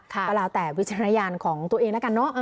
ก็แล้วแต่วิจารณญาณของตัวเองแล้วกันเนอะ